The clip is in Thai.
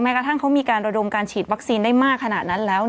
กระทั่งเขามีการระดมการฉีดวัคซีนได้มากขนาดนั้นแล้ว